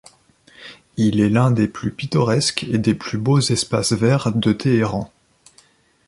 Il est l'un des plus pittoresques et des plus beaux espaces verts de Téhéran.